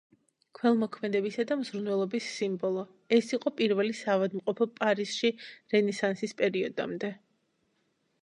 ქველმოქმედებისა და მზრუნველობის სიმბოლო, ეს იყო პირველი საავადმყოფო პარიზში რენესანსის პერიოდამდე.